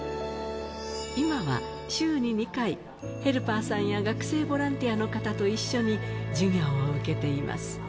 今は週に２回、ヘルパーさんや学生ボランティアの方と一緒に授業を受けています。